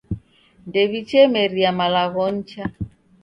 Ndew'ichemeria malagho nicha.